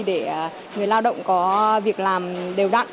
để người lao động có việc làm đều đặn